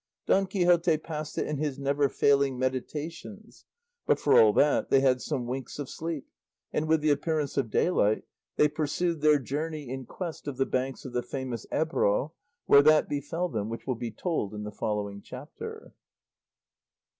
Don Quixote passed it in his never failing meditations; but, for all that, they had some winks of sleep, and with the appearance of daylight they pursued their journey in quest of the banks of the famous Ebro, where that befell them which will be told in the following chapter.